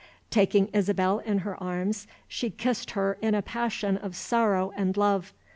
Taking Isabel in her arms she kissed her in a passion of sorrow and love.